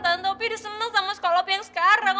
tante opi udah seneng sama sekolah opi yang sekarang